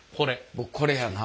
僕これやな。